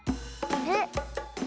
あれ？